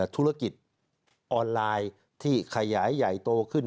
ธุรกิจออนไลน์ที่ขยายใหญ่โตขึ้น